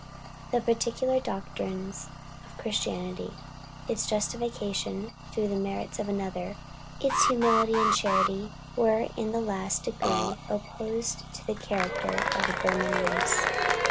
The peculiar doctrines of Christianity, its justification through the merits of another, its humility and charity, were in the last degree opposed to the character of the Burman race.